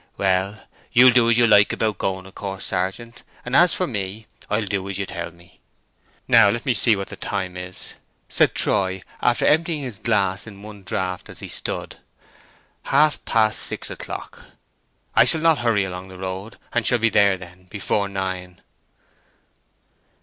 Well, you'll do as you like about going, of course, sergeant, and as for me, I'll do as you tell me." "Now, let me see what the time is," said Troy, after emptying his glass in one draught as he stood. "Half past six o'clock. I shall not hurry along the road, and shall be there then before nine."